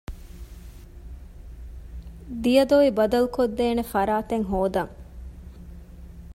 ދިޔަދޮވި ބަދަލުުކޮށްދޭނެ ފަރާތެއް ހޯދަން